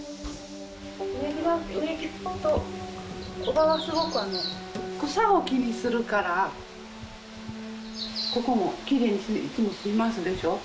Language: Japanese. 植木とおばはすごく草を気にするからここもきれいにいつもしますでしょ